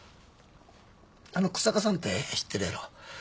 あの日下さんて知ってるやろ？